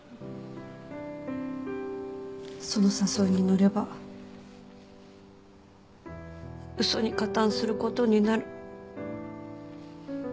その誘いに乗れば嘘に加担することになる